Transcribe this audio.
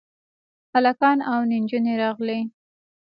هلکان او نجونې راغلې.